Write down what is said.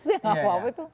itu sih enggak apa apa itu